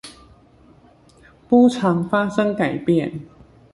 波長發生改變